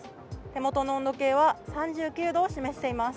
手元の温度計は３９度を示しています。